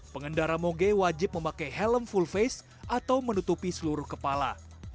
pengendara moge wajib memakai helm full face atau menutupi seluruh kepala